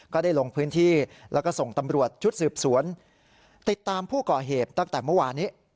ก็ได้ลงพื้นที่แล้วก็ส่งตำรวจชุดสืบสวนติดตามผู้ก่อเหตุตั้งแต่เมื่อวานนี้